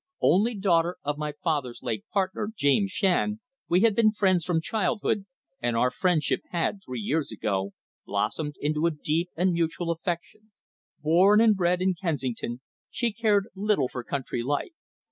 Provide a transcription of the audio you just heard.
Only daughter of my father's late partner, James Shand, we had been friends from childhood, and our friendship had, three years ago, blossomed into a deep and mutual affection. Born and bred in Kensington, she cared little for country life.